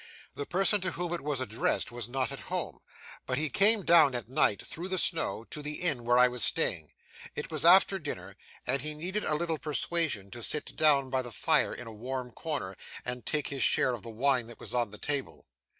The person to whom it was addressed, was not at home; but he came down at night, through the snow, to the inn where I was staying. It was after dinner; and he needed little persuasion to sit down by the fire in a warm corner, and take his share of the wine that was on the table.